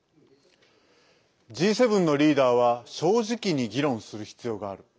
Ｇ７のリーダーは正直に議論する必要がある。